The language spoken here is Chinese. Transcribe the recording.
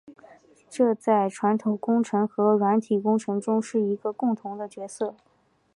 这在系统工程和软体工程中是一个共同的角色。